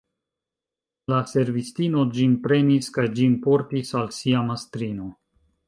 La servistino ĝin prenis kaj ĝin portis al sia mastrino.